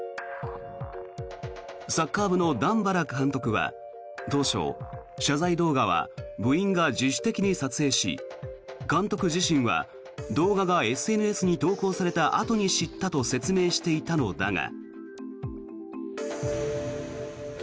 サッカー部の段原監督は当初、謝罪動画は部員が自主的に撮影し監督自身は動画がＳＮＳに投稿されたあとに知ったと説明していたのだが。